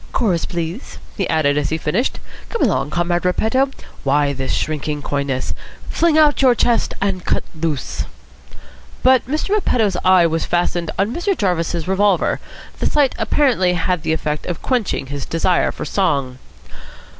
"Chorus, please," he added, as he finished. "Come along, Comrade Repetto. Why this shrinking coyness? Fling out your chest, and cut loose." But Mr. Repetto's eye was fastened on Mr. Jarvis's revolver. The sight apparently had the effect of quenching his desire for song.